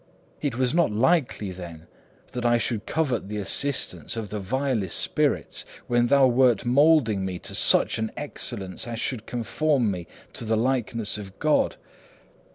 It was not likely, then, that I should covet the assistance of the vilest spirits, when thou wert moulding me to such an excellence as should conform me to the likeness of God.